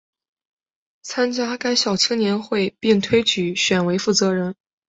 参加该校青年会并被推选为负责人。